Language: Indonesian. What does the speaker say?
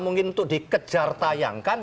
mungkin untuk dikejar tayangkan